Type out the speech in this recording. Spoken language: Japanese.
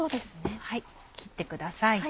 切ってください。